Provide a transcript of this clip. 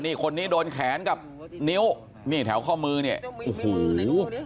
นี่คนนี้โดนแขนกับนิ้วนี่แถวข้อมือเนี่ยโอ้โห